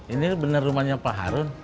ini benar rumahnya pak harun